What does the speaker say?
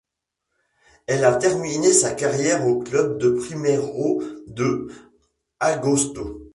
Elle a terminé sa carrière au club de Primeiro de Agosto.